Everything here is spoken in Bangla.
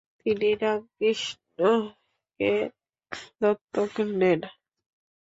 তিনি রামকৃষ্ণকে দত্তক নেন।